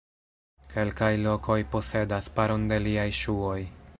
Kelkaj lokoj posedas paron de liaj ŝuoj.